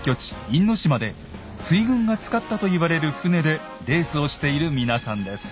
因島で水軍が使ったと言われる船でレースをしている皆さんです。